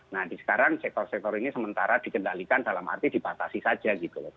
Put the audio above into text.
nah di sekarang sektor sektor ini sementara dikendalikan dalam arti dibatasi saja gitu loh